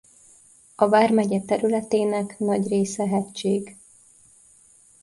A vármegye területének nagy része hegység.